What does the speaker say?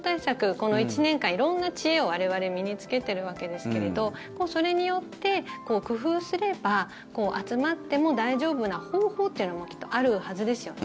この１年間、色んな知恵を我々身に着けているわけですけどそれによって工夫すれば、集まっても大丈夫な方法というのもきっとあるはずですよね。